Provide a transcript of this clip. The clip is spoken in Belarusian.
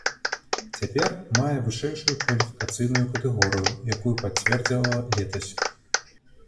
Цяпер мае вышэйшую кваліфікацыйную катэгорыю, якую пацвердзіла летась.